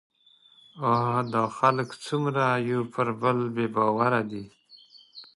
اه! دا خلک څومره پر يوبل بې باوره دي